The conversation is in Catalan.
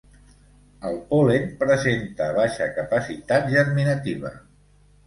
El pol·len presenta baixa capacitat germinativa.